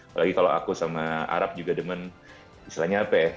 tapi kalau aku sama arap juga demen misalnya apa ya